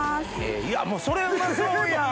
いやもうそれうまそうやん！